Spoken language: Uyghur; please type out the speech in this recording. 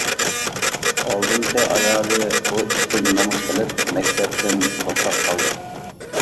ئالدىنقى ئايالى بۇ ئىشتىن نومۇس قىلىپ مەكتەپتىن توختاپ قالدى.